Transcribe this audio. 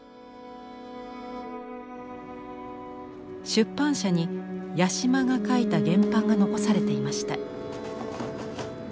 出版社に八島が描いた原版が残されていました。